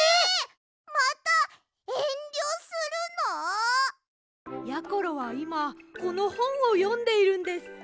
またえんりょするの？やころはいまこのほんをよんでいるんです。